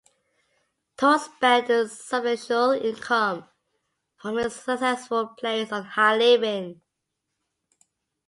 Told spent the substantial income from his successful plays on high living.